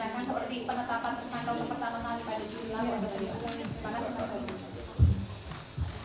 dan bagaimana semasa itu